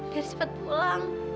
gak cepet pulang